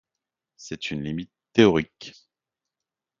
C'est une limite théorique.